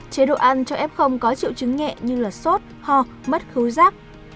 chế độ ăn cho f có triệu chứng nhẹ như sốt ho mất khứ rác